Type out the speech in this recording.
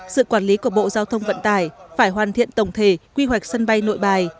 sự quản lý của bộ giao thông vận tải phải hoàn thiện tổng thể quy hoạch sân bay nội bài